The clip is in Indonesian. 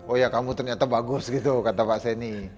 oh ya kamu ternyata bagus gitu kata pak seni